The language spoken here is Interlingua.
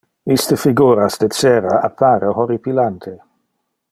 Iste figuras de cera appare horripilante.